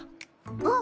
あっ！